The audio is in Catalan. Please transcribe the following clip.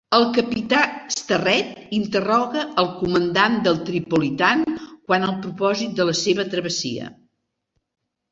El Capità Sterret interrogà al comandant del Tripolitan quant al propòsit de la seva travessia.